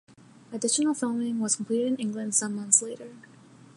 Additional filming was completed in England some months later.